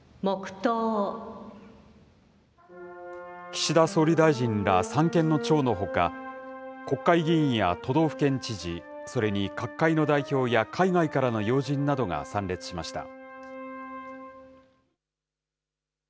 岸田総理大臣ら三権の長のほか、国会議員や都道府県知事、それに各界の代表や海外からの要人などが参列しました。